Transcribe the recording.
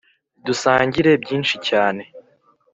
dusangire byinshi, cyane